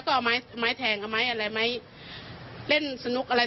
แม่ก็เลยบอกให้มามอบตัวตายแต่ว่าส่วนหนึ่งก็เพราะลูกชาย